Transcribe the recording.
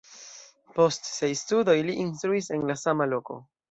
Post siaj studoj li instruis en la sama loko.